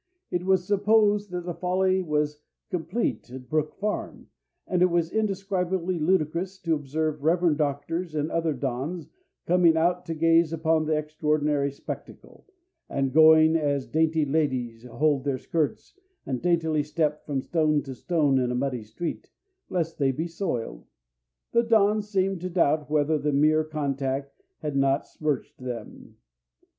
It was supposed that the folly was complete at Brook Farm, and it was indescribably ludicrous to observe reverend doctors and other dons coming out to gaze upon the extraordinary spectacle, and going as dainty ladies hold their skirts and daintily step from stone to stone in a muddy street, lest they be soiled. The dons seemed to doubt whether the mere contact had not smirched them.